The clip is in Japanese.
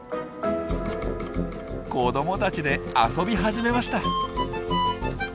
子どもたちで遊び始めました。